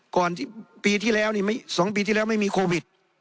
ก่อนที่ปีที่แล้วนี่๒ปีที่แล้วไม่มีโควิด